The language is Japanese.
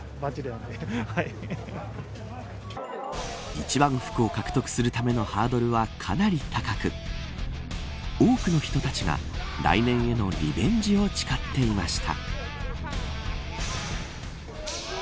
一番福を獲得するためのハードルはかなり高く多くの人たちが来年へのリベンジを誓っていました。